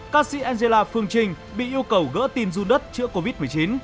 các sĩ angela phương trình bị yêu cầu gỡ tin ru đất chữa covid một mươi chín